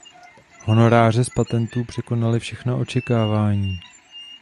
Honoráře z patentů překonaly všechna očekávání.